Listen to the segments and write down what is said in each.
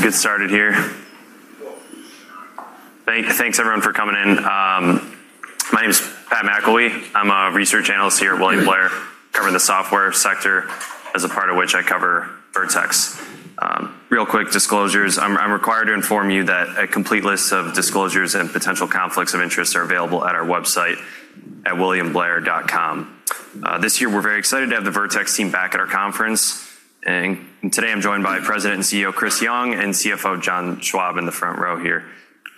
All right. We'll get started here. Thanks everyone for coming in. My name is Pat McElwee. I'm a research analyst here at William Blair, covering the software sector, as a part of which I cover Vertex. Real quick disclosures, I'm required to inform you that a complete list of disclosures and potential conflicts of interest are available at our website at williamblair.com. This year, we're very excited to have the Vertex team back at our conference, and today I'm joined by President and CEO Chris Young and CFO John Schwab in the front row here.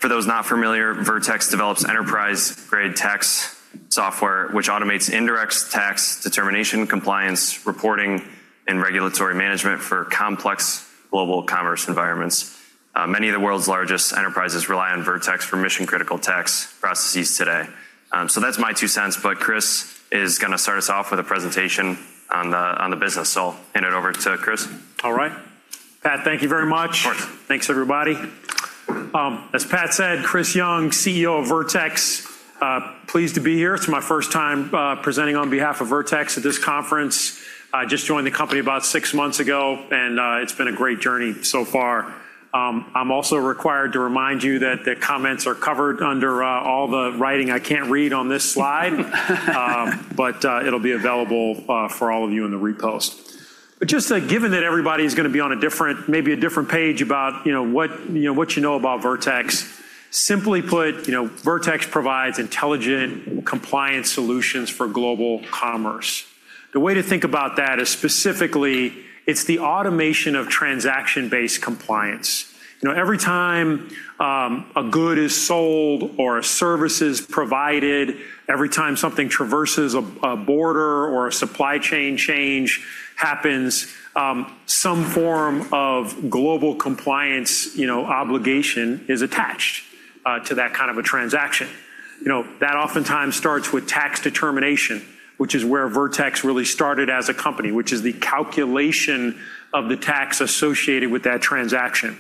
For those not familiar, Vertex develops enterprise-grade tax software, which automates indirect tax determination, compliance, reporting, and regulatory management for complex global commerce environments. Many of the world's largest enterprises rely on Vertex for mission-critical tax processes today. That's my two cents, but Chris is going to start us off with a presentation on the business. I'll hand it over to Chris. All right. Pat, thank you very much. Thanks, everybody. As Pat said, Chris Young, CEO of Vertex. Pleased to be here. It's my first time presenting on behalf of Vertex at this conference. I just joined the company about six months ago, and it's been a great journey so far. I'm also required to remind you that the comments are covered under all the writing I can't read on this slide, but it'll be available for all of you in the repost. Just given that everybody's going to be on maybe a different page about what you know about Vertex, simply put, Vertex provides intelligent compliance solutions for global commerce. The way to think about that is specifically it's the automation of transaction-based compliance. Every time a good is sold or a service is provided, every time something traverses a border or a supply chain change happens, some form of global compliance obligation is attached to that kind of a transaction. Oftentimes starts with tax determination, which is where Vertex really started as a company, which is the calculation of the tax associated with that transaction.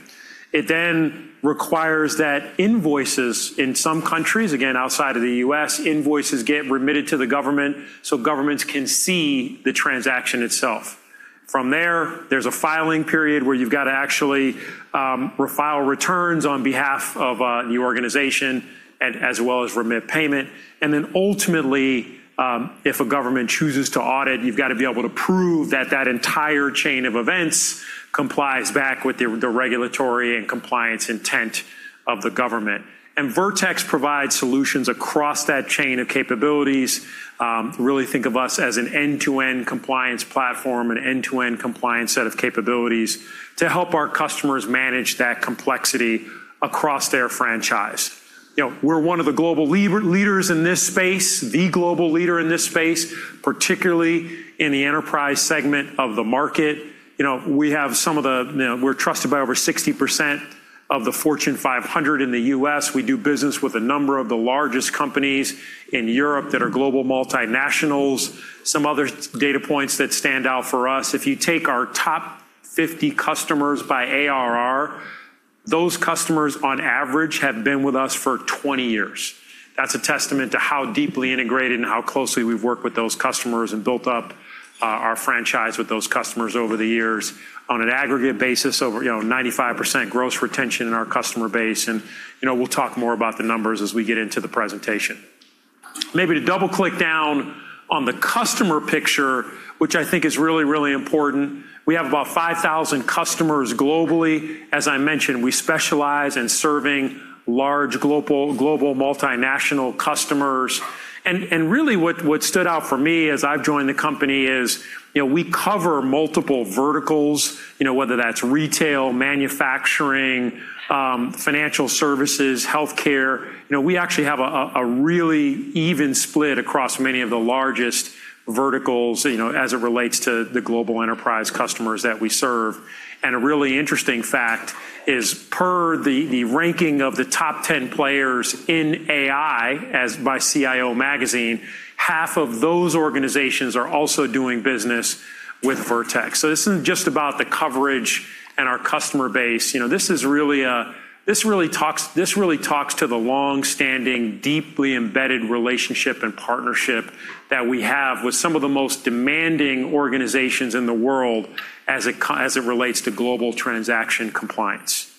It then requires that invoices in some countries, again, outside of the U.S., invoices get remitted to the government so governments can see the transaction itself. From there's a filing period where you've got to actually file returns on behalf of your organization and as well as remit payment. Ultimately, if a government chooses to audit, you've got to be able to prove that that entire chain of events complies back with the regulatory and compliance intent of the government. Vertex provides solutions across that chain of capabilities. Really think of us as an end-to-end compliance platform and end-to-end compliance set of capabilities to help our customers manage that complexity across their franchise. We're one of the global leaders in this space, the global leader in this space, particularly in the enterprise segment of the market. We're trusted by over 60% of the Fortune 500 in the U.S. We do business with a number of the largest companies in Europe that are global multinationals. Some other data points that stand out for us, if you take our top 50 customers by ARR, those customers on average have been with us for 20 years. That's a testament to how deeply integrated and how closely we've worked with those customers and built up our franchise with those customers over the years. On an aggregate basis, over 95% gross retention in our customer base, and we'll talk more about the numbers as we get into the presentation. Maybe to double-click down on the customer picture, which I think is really, really important, we have about 5,000 customers globally. As I mentioned, we specialize in serving large global multinational customers. Really what stood out for me as I've joined the company is we cover multiple verticals, whether that's retail, manufacturing, financial services, healthcare. We actually have a really even split across many of the largest verticals, as it relates to the global enterprise customers that we serve. A really interesting fact is per the ranking of the top 10 players in AI by CIO Magazine, half of those organizations are also doing business with Vertex. This isn't just about the coverage and our customer base. This really talks to the longstanding, deeply embedded relationship and partnership that we have with some of the most demanding organizations in the world as it relates to global transaction compliance.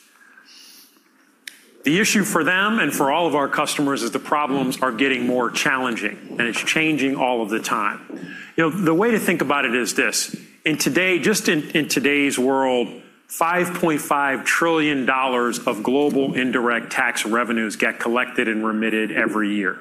The issue for them and for all of our customers is the problems are getting more challenging, and it's changing all of the time. The way to think about it is this. Just in today's world, $5.5 trillion of global indirect tax revenues get collected and remitted every year.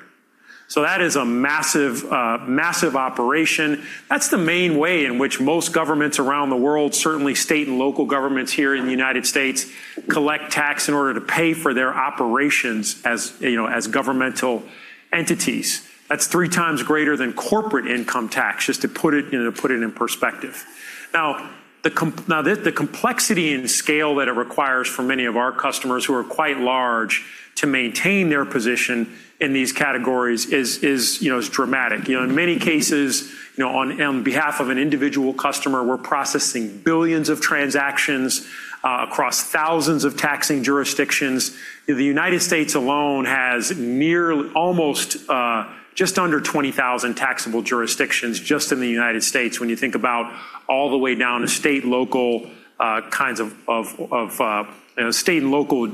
That is a massive operation. That's the main way in which most governments around the world, certainly state and local governments here in the United States, collect tax in order to pay for their operations as governmental entities. That's three times greater than corporate income tax, just to put it in perspective. The complexity and scale that it requires for many of our customers who are quite large to maintain their position in these categories is dramatic. In many cases, on behalf of an individual customer, we're processing billions of transactions across thousands of taxing jurisdictions. The U.S. alone has almost just under 20,000 taxable jurisdictions just in the U.S., when you think about all the way down to state and local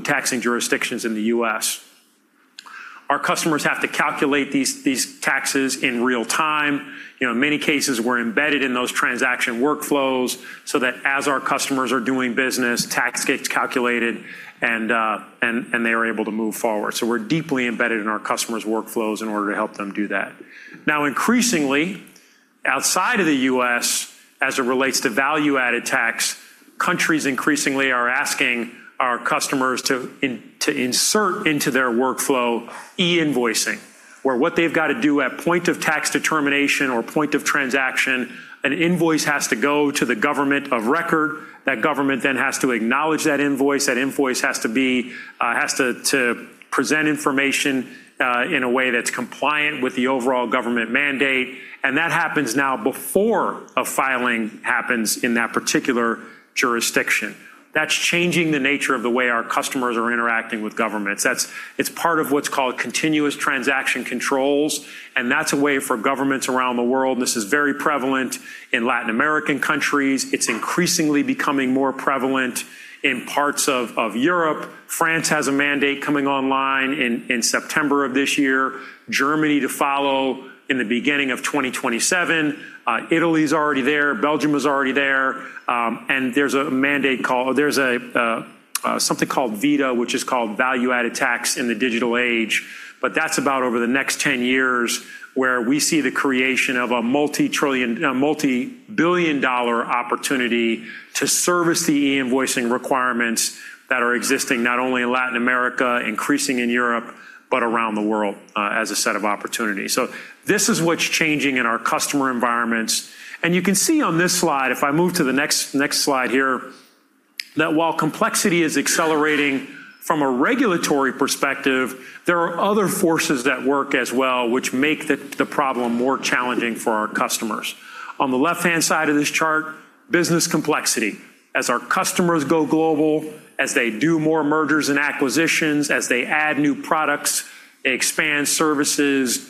taxing jurisdictions in the U.S. Our customers have to calculate these taxes in real time. In many cases, we're embedded in those transaction workflows so that as our customers are doing business, tax gets calculated and they are able to move forward. We're deeply embedded in our customers' workflows in order to help them do that. Increasingly, outside of the U.S., as it relates to value-added tax, countries increasingly are asking our customers to insert into their workflow e-invoicing, where what they've got to do at point of tax determination or point of transaction, an invoice has to go to the government of record. That government has to acknowledge that invoice. That invoice has to present information in a way that's compliant with the overall government mandate. That happens now before a filing happens in that particular jurisdiction. That's changing the nature of the way our customers are interacting with governments. It's part of what's called continuous transaction controls. That's a way for governments around the world. This is very prevalent in Latin American countries. It's increasingly becoming more prevalent in parts of Europe. France has a mandate coming online in September of this year, Germany to follow in the beginning of 2027. Italy's already there. Belgium is already there. There's something called ViDA, which is called VAT in the Digital Age. That's about over the next 10 years, where we see the creation of a multi-billion-dollar opportunity to service the e-invoicing requirements that are existing not only in Latin America, increasing in Europe, but around the world as a set of opportunities. This is what's changing in our customer environments. You can see on this slide, if I move to the next slide here, that while complexity is accelerating from a regulatory perspective, there are other forces at work as well which make the problem more challenging for our customers. On the left-hand side of this chart, business complexity. As our customers go global, as they do more mergers and acquisitions, as they add new products, expand services,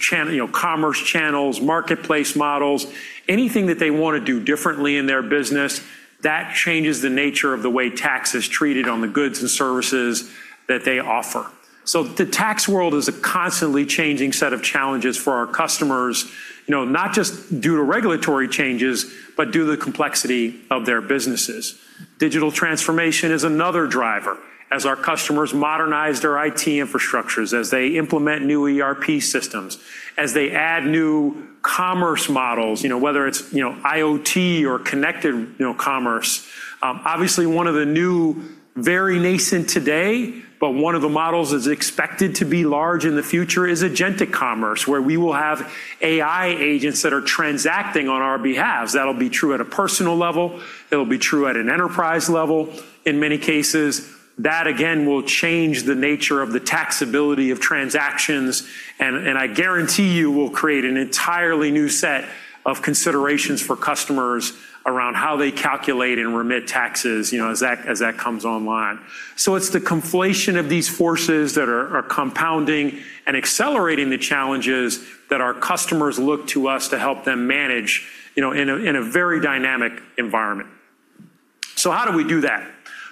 commerce channels, marketplace models, anything that they want to do differently in their business, that changes the nature of the way tax is treated on the goods and services that they offer. The tax world is a constantly changing set of challenges for our customers, not just due to regulatory changes, but due to the complexity of their businesses. Digital transformation is another driver. As our customers modernize their IT infrastructures, as they implement new ERP systems, as they add new commerce models, whether it's IoT or connected commerce. Obviously, one of the new, very nascent today, but one of the models that's expected to be large in the future is agentic commerce, where we will have AI agents that are transacting on our behalves. That'll be true at a personal level. It'll be true at an enterprise level in many cases. That, again, will change the nature of the taxability of transactions, and I guarantee you will create an entirely new set of considerations for customers around how they calculate and remit taxes as that comes online. It's the conflation of these forces that are compounding and accelerating the challenges that our customers look to us to help them manage in a very dynamic environment. How do we do that?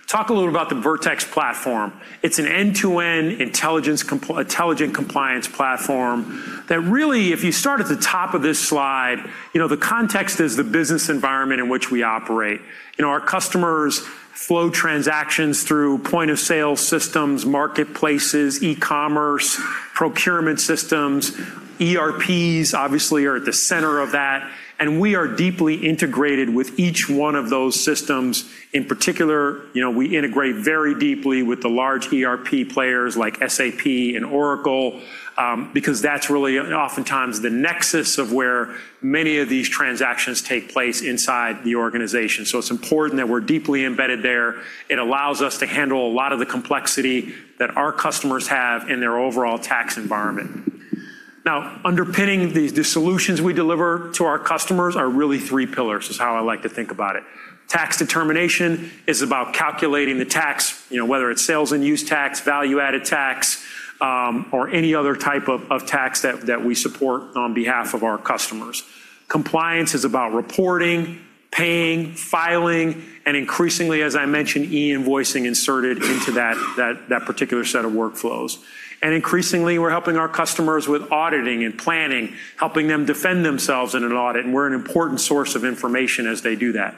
Talk a little about the Vertex platform. It's an end-to-end intelligent compliance platform that really, if you start at the top of this slide, the context is the business environment in which we operate. Our customers flow transactions through point-of-sale systems, marketplaces, e-commerce, procurement systems. ERPs obviously are at the center of that. We are deeply integrated with each one of those systems. In particular, we integrate very deeply with the large ERP players like SAP and Oracle. That's really oftentimes the nexus of where many of these transactions take place inside the organization. It's important that we're deeply embedded there. It allows us to handle a lot of the complexity that our customers have in their overall tax environment. Underpinning the solutions we deliver to our customers are really three pillars, is how I like to think about it. Tax determination is about calculating the tax, whether it's sales and use tax, value-added tax, or any other type of tax that we support on behalf of our customers. Compliance is about reporting, paying, filing, and increasingly, as I mentioned, e-invoicing inserted into that particular set of workflows. Increasingly, we're helping our customers with auditing and planning, helping them defend themselves in an audit, and we're an important source of information as they do that.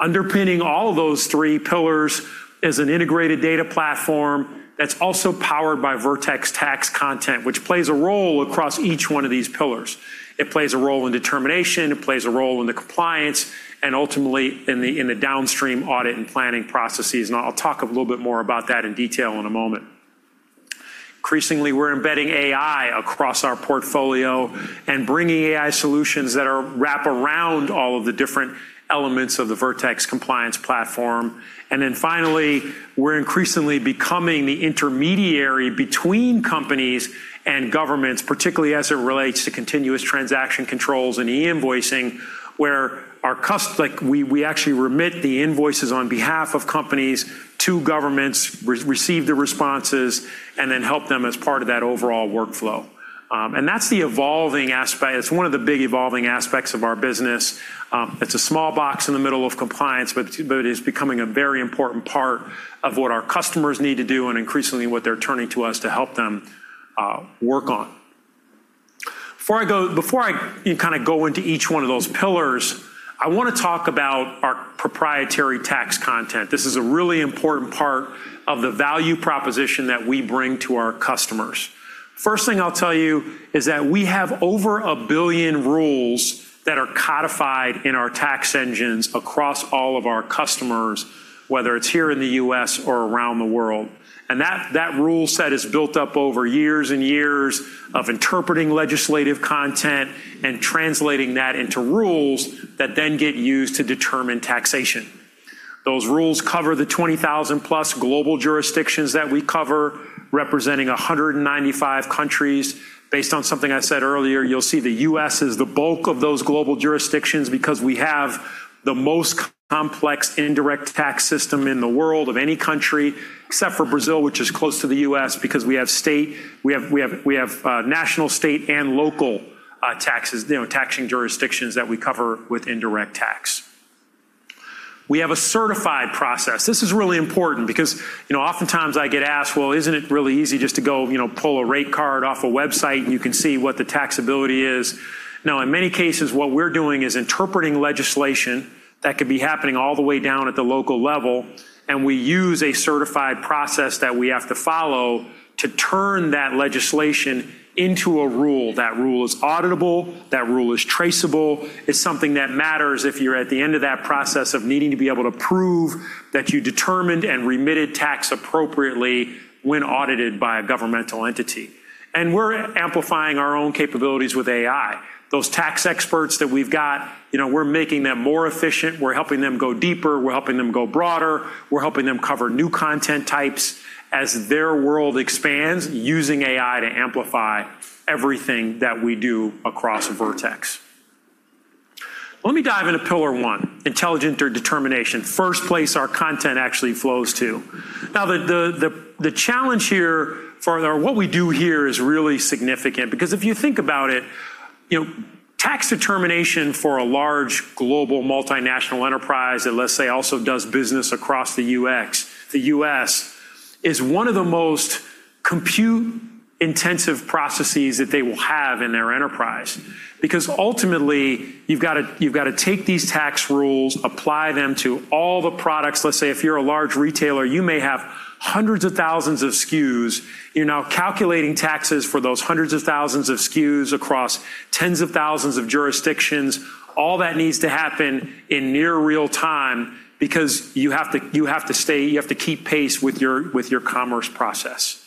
Underpinning all of those three pillars is an integrated data platform that's also powered by Vertex tax content, which plays a role across each one of these pillars. It plays a role in determination, it plays a role in the compliance, and ultimately in the downstream audit and planning processes, and I'll talk a little bit more about that in detail in a moment. Increasingly, we're embedding AI across our portfolio and bringing AI solutions that wrap around all of the different elements of the Vertex compliance platform. Finally, we're increasingly becoming the intermediary between companies and governments, particularly as it relates to continuous transaction controls and e-invoicing, where we actually remit the invoices on behalf of companies to governments, receive the responses, and then help them as part of that overall workflow. That's the evolving aspect. It's one of the big evolving aspects of our business. It's a small box in the middle of compliance, but it is becoming a very important part of what our customers need to do and increasingly what they're turning to us to help them work on. Before I go into each one of those pillars, I want to talk about our proprietary tax content. This is a really important part of the value proposition that we bring to our customers. First thing I'll tell you is that we have over a billion rules that are codified in our tax engines across all of our customers, whether it's here in the U.S. or around the world. That rule set is built up over years and years of interpreting legislative content and translating that into rules that then get used to determine taxation. Those rules cover the 20,000-plus global jurisdictions that we cover, representing 195 countries. Based on something I said earlier, you'll see the U.S. is the bulk of those global jurisdictions because we have the most complex indirect tax system in the world of any country, except for Brazil, which is close to the U.S. because we have national, state, and local taxes, taxing jurisdictions that we cover with indirect tax. We have a certified process. This is really important because oftentimes I get asked, "Well, isn't it really easy just to go pull a rate card off a website and you can see what the taxability is?" No. In many cases, what we're doing is interpreting legislation that could be happening all the way down at the local level, and we use a certified process that we have to follow to turn that legislation into a rule. That rule is auditable. That rule is traceable. It's something that matters if you're at the end of that process of needing to be able to prove that you determined and remitted tax appropriately when audited by a governmental entity. We're amplifying our own capabilities with AI. Those tax experts that we've got, we're making them more efficient. We're helping them go deeper. We're helping them go broader. We're helping them cover new content types as their world expands using AI to amplify everything that we do across Vertex. Let me dive into pillar one, intelligent determination. First place our content actually flows to. The challenge here for what we do here is really significant because if you think about it, tax determination for a large global multinational enterprise that, let's say, also does business across the U.S. is one of the most compute-intensive processes that they will have in their enterprise. Ultimately, you've got to take these tax rules, apply them to all the products. Let's say if you're a large retailer, you may have hundreds of thousands of SKUs. You're now calculating taxes for those hundreds of thousands of SKUs across tens of thousands of jurisdictions. All that needs to happen in near real-time because you have to keep pace with your commerce process.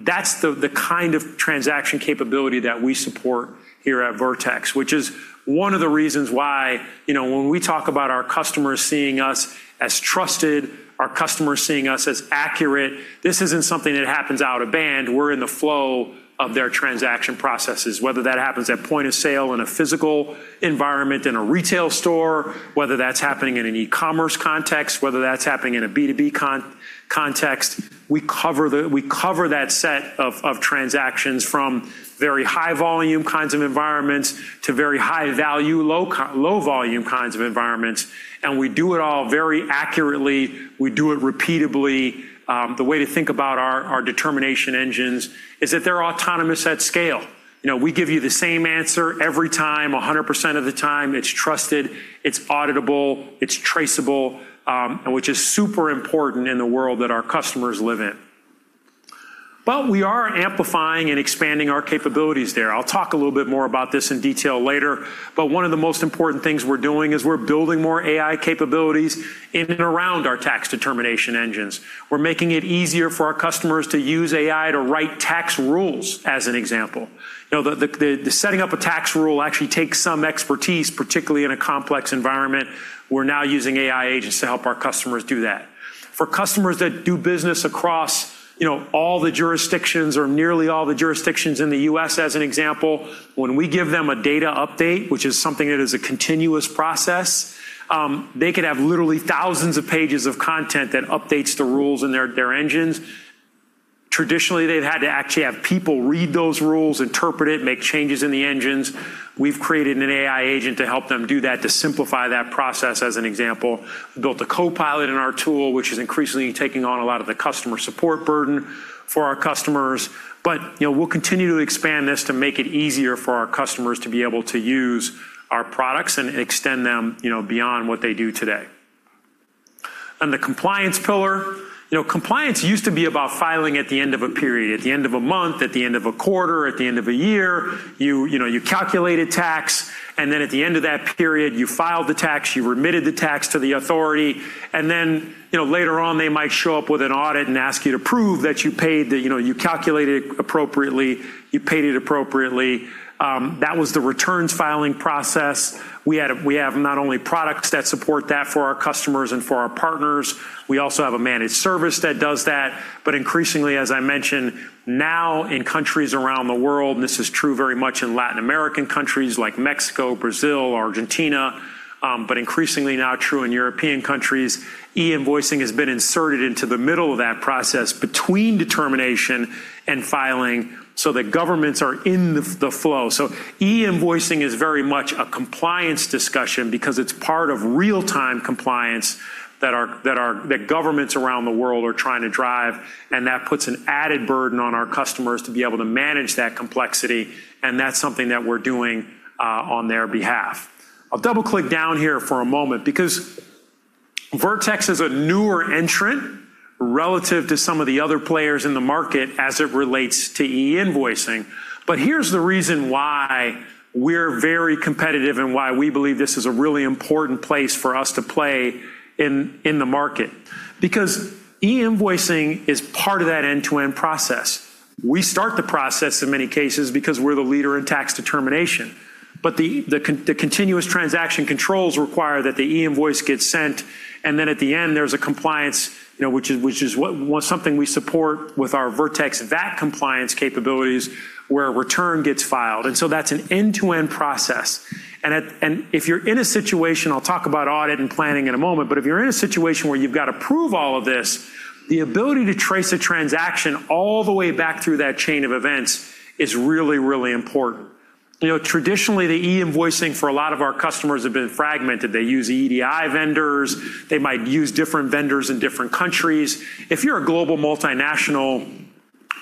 That's the kind of transaction capability that we support here at Vertex, which is one of the reasons why when we talk about our customers seeing us as trusted, our customers seeing us as accurate, this isn't something that happens out of band. We're in the flow of their transaction processes, whether that happens at point of sale in a physical environment in a retail store, whether that's happening in an e-commerce context, whether that's happening in a B2B context. We cover that set of transactions from very high-volume kinds of environments to very high-value, low-volume kinds of environments, we do it all very accurately. We do it repeatedly. The way to think about our determination engines is that they're autonomous at scale. We give you the same answer every time, 100% of the time. It's trusted, it's auditable, it's traceable, which is super important in the world that our customers live in. We are amplifying and expanding our capabilities there. I'll talk a little bit more about this in detail later, but one of the most important things we're doing is we're building more AI capabilities in and around our tax determination engines. We're making it easier for our customers to use AI to write tax rules, as an example. The setting up a tax rule actually takes some expertise, particularly in a complex environment. We're now using AI agents to help our customers do that. For customers that do business across all the jurisdictions or nearly all the jurisdictions in the U.S., as an example, when we give them a data update, which is something that is a continuous process, they could have literally thousands of pages of content that updates the rules in their engines. Traditionally, they've had to actually have people read those rules, interpret it, make changes in the engines. We've created an AI agent to help them do that, to simplify that process, as an example. We built a copilot in our tool, which is increasingly taking on a lot of the customer support burden for our customers. We'll continue to expand this to make it easier for our customers to be able to use our products and extend them beyond what they do today. On the compliance pillar, compliance used to be about filing at the end of a period, at the end of a month, at the end of a quarter, at the end of a year. You calculated tax, and then at the end of that period, you filed the tax, you remitted the tax to the authority, and then later on, they might show up with an audit and ask you to prove that you calculated it appropriately, you paid it appropriately. That was the returns filing process. We have not only products that support that for our customers and for our partners, we also have a managed service that does that. Increasingly, as I mentioned, now in countries around the world, and this is true very much in Latin American countries like Mexico, Brazil, Argentina, but increasingly now true in European countries, e-invoicing has been inserted into the middle of that process between determination and filing so that governments are in the flow. E-invoicing is very much a compliance discussion because it's part of real-time compliance that governments around the world are trying to drive, and that puts an added burden on our customers to be able to manage that complexity, and that's something that we're doing on their behalf. I'll double-click down here for a moment because Vertex is a newer entrant relative to some of the other players in the market as it relates to e-invoicing. Here's the reason why we're very competitive and why we believe this is a really important place for us to play in the market. E-invoicing is part of that end-to-end process. We start the process in many cases because we're the leader in tax determination. The continuous transaction controls require that the e-invoice gets sent, and then at the end, there's a compliance, which is something we support with our Vertex VAT Compliance capabilities, where a return gets filed. That's an end-to-end process. If you're in a situation, I'll talk about audit and planning in a moment, but if you're in a situation where you've got to prove all of this, the ability to trace a transaction all the way back through that chain of events is really, really important. Traditionally, the e-invoicing for a lot of our customers have been fragmented. They use EDI vendors. They might use different vendors in different countries. If you're a global multinational,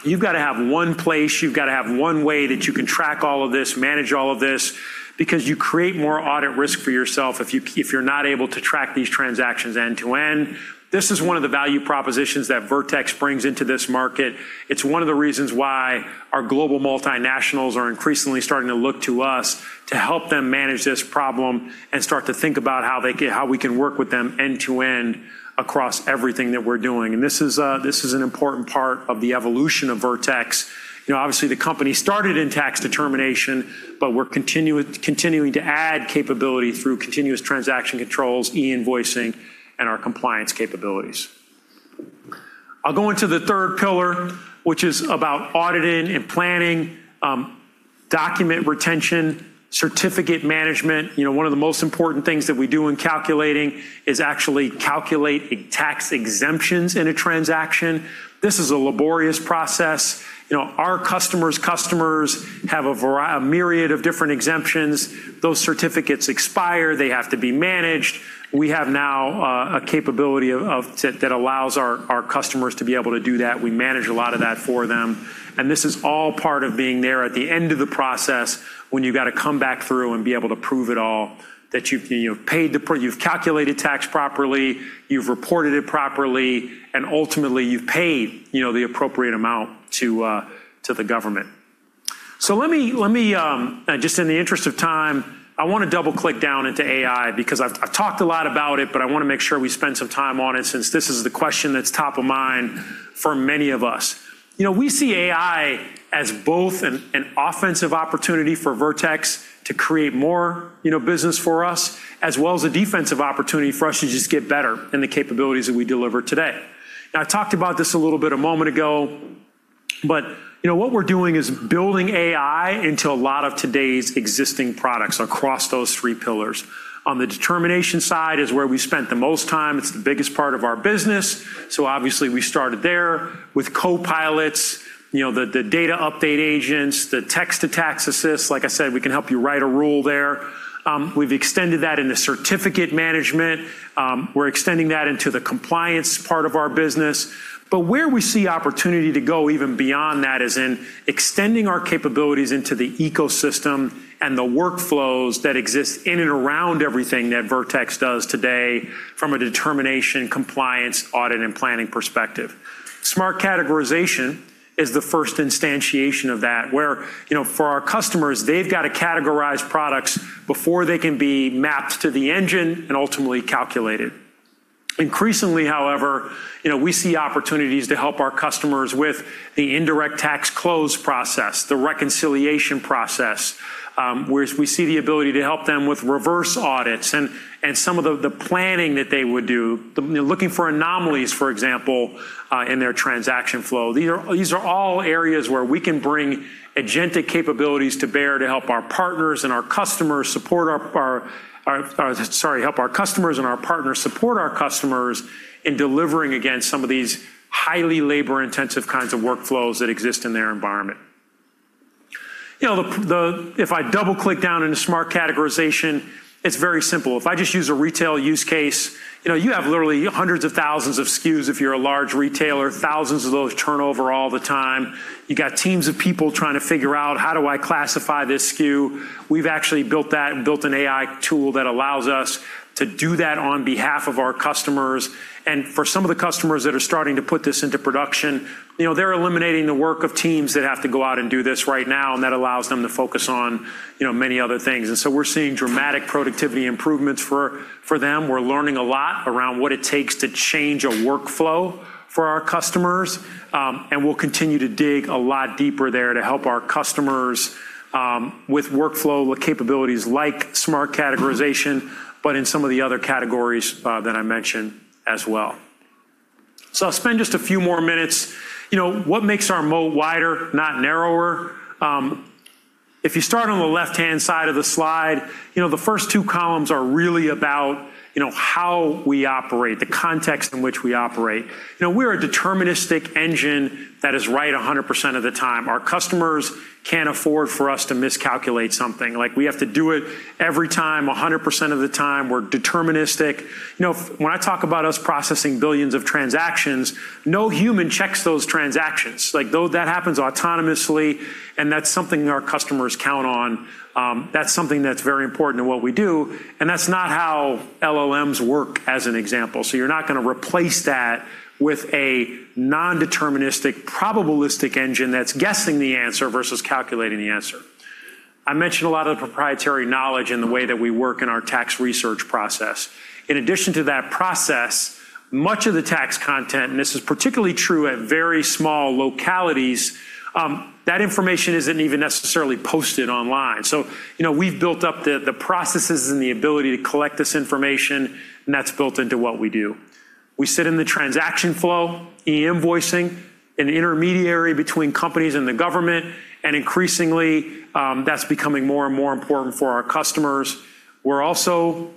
you've got to have one place, you've got to have one way that you can track all of this, manage all of this, because you create more audit risk for yourself if you're not able to track these transactions end-to-end. This is one of the value propositions that Vertex brings into this market. It's one of the reasons why our global multinationals are increasingly starting to look to us to help them manage this problem and start to think about how we can work with them end-to-end across everything that we're doing. This is an important part of the evolution of Vertex. Obviously, the company started in tax determination, but we're continuing to add capability through continuous transaction controls, e-invoicing, and our compliance capabilities. I'll go into the third pillar, which is about auditing and planning, document retention, certificate management. One of the most important things that we do in calculating is actually calculate tax exemptions in a transaction. This is a laborious process. Our customers' customers have a myriad of different exemptions. Those certificates expire. They have to be managed. We have now a capability that allows our customers to be able to do that. We manage a lot of that for them, and this is all part of being there at the end of the process when you've got to come back through and be able to prove it all, that you've calculated tax properly, you've reported it properly, and ultimately, you've paid the appropriate amount to the government. Let me, just in the interest of time, I want to double-click down into AI because I've talked a lot about it, but I want to make sure we spend some time on it since this is the question that's top of mind for many of us. We see AI as both an offensive opportunity for Vertex to create more business for us, as well as a defensive opportunity for us to just get better in the capabilities that we deliver today. I talked about this a little bit a moment ago, but what we're doing is building AI into a lot of today's existing products across those three pillars. On the tax determination side is where we spent the most time. It's the biggest part of our business, so obviously we started there with copilots, the data update agents, Tax Assist. Like I said, we can help you write a rule there. We've extended that into certificate management. We're extending that into the compliance part of our business. Where we see opportunity to go even beyond that is in extending our capabilities into the ecosystem and the workflows that exist in and around everything that Vertex does today from a determination, compliance, audit, and planning perspective. Smart Categorization is the first instantiation of that, where for our customers, they've got to categorize products before they can be mapped to the engine and ultimately calculated. Increasingly, however, we see opportunities to help our customers with the indirect tax close process, the reconciliation process, whereas we see the ability to help them with reverse audits and some of the planning that they would do, looking for anomalies, for example, in their transaction flow. These are all areas where we can bring agentic capabilities to bear to help our partners and our customers support our Sorry, help our customers and our partners support our customers in delivering against some of these highly labor-intensive kinds of workflows that exist in their environment. If I double-click down into Vertex Smart Categorization, it's very simple. If I just use a retail use case, you have literally hundreds of thousands of SKUs if you're a large retailer, thousands of those turn over all the time. You've got teams of people trying to figure out, how do I classify this SKU? We've actually built that and built an AI tool that allows us to do that on behalf of our customers. For some of the customers that are starting to put this into production, they're eliminating the work of teams that have to go out and do this right now, and that allows them to focus on many other things. We're seeing dramatic productivity improvements for them. We're learning a lot around what it takes to change a workflow for our customers, and we'll continue to dig a lot deeper there to help our customers with workflow capabilities like Smart Categorization, but in some of the other categories that I mentioned as well. I'll spend just a few more minutes. What makes our moat wider, not narrower? If you start on the left-hand side of the slide, the first two columns are really about how we operate, the context in which we operate. We're a deterministic engine that is right 100% of the time. Our customers can't afford for us to miscalculate something. We have to do it every time, 100% of the time. We're deterministic. When I talk about us processing billions of transactions, no human checks those transactions. That happens autonomously, and that's something our customers count on. That's something that's very important to what we do, and that's not how LLMs work as an example. You're not going to replace that with a non-deterministic, probabilistic engine that's guessing the answer versus calculating the answer. I mentioned a lot of the proprietary knowledge in the way that we work in our tax research process. In addition to that process, much of the tax content, and this is particularly true at very small localities, that information isn't even necessarily posted online. We've built up the processes and the ability to collect this information, and that's built into what we do. We sit in the transaction flow, e-invoicing, an intermediary between companies and the government. Increasingly, that's becoming more and more important for our customers. We're also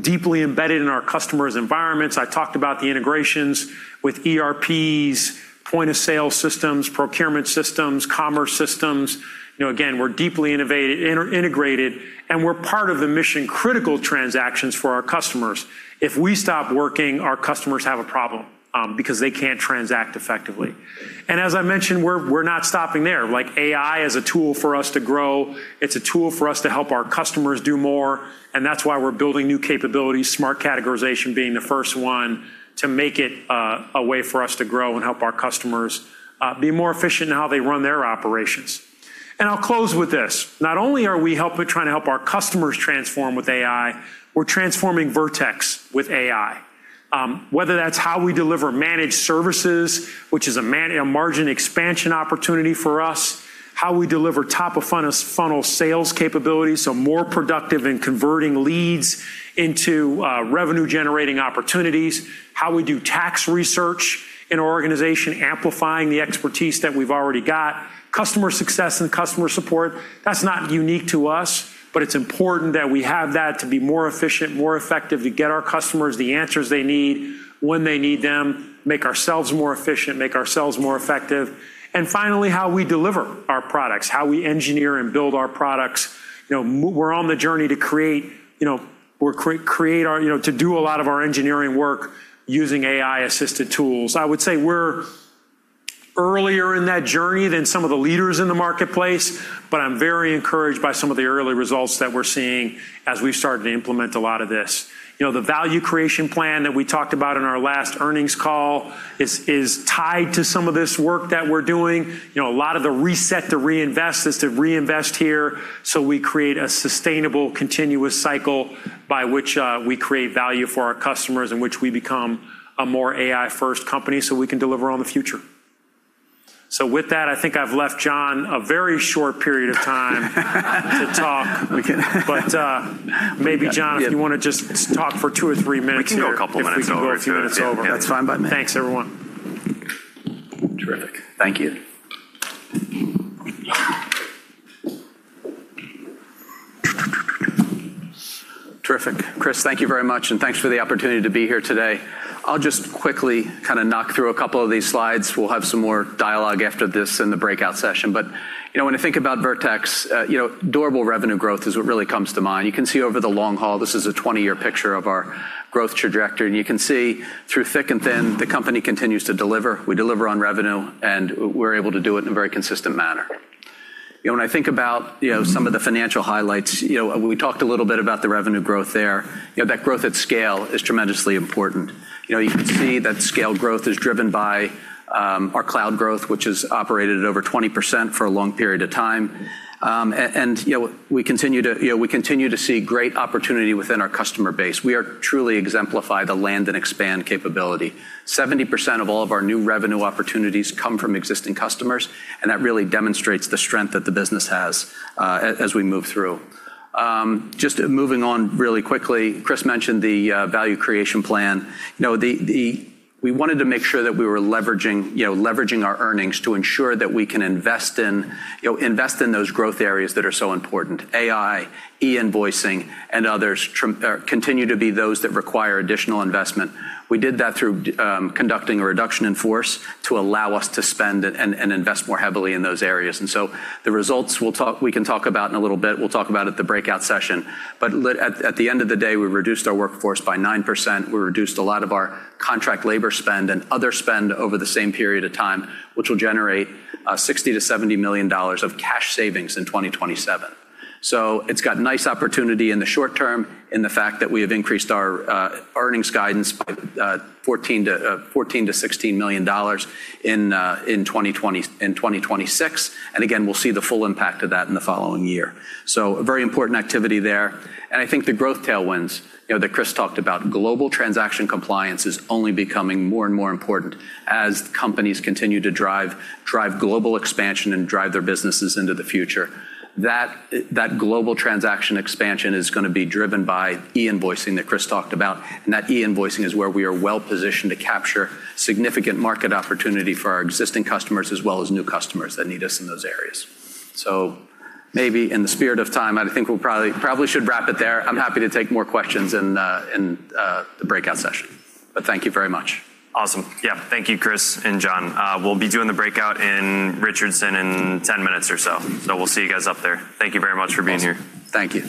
deeply embedded in our customers' environments. I talked about the integrations with ERPs, point-of-sale systems, procurement systems, commerce systems. Again, we're deeply integrated, and we're part of the mission-critical transactions for our customers. If we stop working, our customers have a problem because they can't transact effectively. As I mentioned, we're not stopping there. AI is a tool for us to grow. It's a tool for us to help our customers do more, and that's why we're building new capabilities, Smart Categorization being the first one, to make it a way for us to grow and help our customers be more efficient in how they run their operations. I'll close with this. Not only are we trying to help our customers transform with AI, we're transforming Vertex with AI. Whether that's how we deliver managed services, which is a margin expansion opportunity for us. How we deliver top-of-funnel sales capabilities, more productive in converting leads into revenue-generating opportunities. How we do tax research in our organization, amplifying the expertise that we've already got. Customer success and customer support, that's not unique to us, but it's important that we have that to be more efficient, more effective, to get our customers the answers they need when they need them, make ourselves more efficient, make ourselves more effective. Finally, how we deliver our products, how we engineer and build our products. We're on the journey to do a lot of our engineering work using AI-assisted tools. I would say we're earlier in that journey than some of the leaders in the marketplace, but I'm very encouraged by some of the early results that we're seeing as we've started to implement a lot of this. The value creation plan that we talked about in our last earnings call is tied to some of this work that we're doing. A lot of the reset to reinvest is to reinvest here, so we create a sustainable, continuous cycle by which we create value for our customers, in which we become a more AI-first company so we can deliver on the future. With that, I think I've left John a very short period of time to talk. Maybe, John, if you want to just talk for two or three minutes here. [crosstalks] Thanks, everyone. Terrific. Thank you. Terrific. Chris, thank you very much, and thanks for the opportunity to be here today. I'll just quickly knock through a couple of these slides. We'll have some more dialogue after this in the breakout session. When I think about Vertex, durable revenue growth is what really comes to mind. You can see over the long haul, this is a 20-year picture of our growth trajectory. You can see through thick and thin, the company continues to deliver. We deliver on revenue, and we're able to do it in a very consistent manner. When I think about some of the financial highlights, we talked a little bit about the revenue growth there. That growth at scale is tremendously important. You can see that scale growth is driven by our cloud growth, which has operated at over 20% for a long period of time. We continue to see great opportunity within our customer base. We truly exemplify the land and expand capability. 70% of all of our new revenue opportunities come from existing customers, and that really demonstrates the strength that the business has as we move through. Just moving on really quickly, Chris mentioned the value creation plan. We wanted to make sure that we were leveraging our earnings to ensure that we can invest in those growth areas that are so important. AI, e-invoicing, and others continue to be those that require additional investment. We did that through conducting a reduction in force to allow us to spend and invest more heavily in those areas. The results we can talk about in a little bit, we'll talk about at the breakout session. At the end of the day, we reduced our workforce by 9%. We reduced a lot of our contract labor spend and other spend over the same period of time, which will generate $60 million-$70 million of cash savings in 2027. It's got nice opportunity in the short term in the fact that we have increased our earnings guidance by $14 million-$16 million in 2026. Again, we'll see the full impact of that in the following year. A very important activity there. I think the growth tailwinds that Chris talked about, global transaction compliance is only becoming more and more important as companies continue to drive global expansion and drive their businesses into the future. That global transaction expansion is going to be driven by e-invoicing that Chris talked about. That e-invoicing is where we are well-positioned to capture significant market opportunity for our existing customers as well as new customers that need us in those areas. Maybe in the spirit of time, I think we probably should wrap it there. I'm happy to take more questions in the breakout session. Thank you very much. Awesome. Yeah. Thank you, Chris and John. We'll be doing the breakout in Richardson in 10 minutes or so. We'll see you guys up there. Thank you very much for being here. Awesome. Thank you.